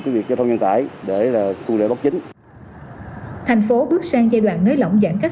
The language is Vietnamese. cái việc giao thông dân tải để là thu lệ bất chính thành phố bước sang giai đoạn nới lỏng giãn cách